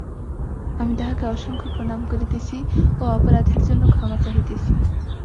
আমি তাঁহাকে অসংখ্য প্রণাম করিতেছি ও অপরাধের জন্য ক্ষমা চাহিতেছি।